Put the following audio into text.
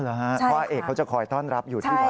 ว่าอาเอกเขาจะคอยต้อนรับอยู่ที่วัดนะ